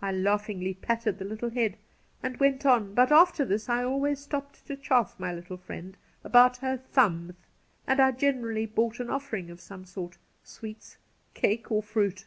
I laughingly patted the little head, and went on ; but after this I always stopped to chaff my little Mend about her 'thums,' and I generally brought an offering of some sort — sweets, cake, or firuit.